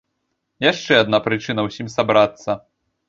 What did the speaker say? Яшчэ адна прычына ўсім сабрацца.